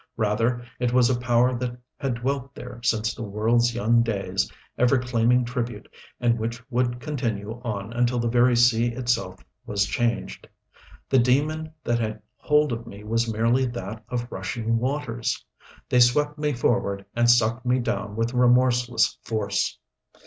Rather it was a power that had dwelt there since the world's young days, ever claiming tribute, and which would continue on until the very sea itself was changed. The demon that had hold of me was merely that of rushing waters. They swept me forward and sucked me down with remorseless force.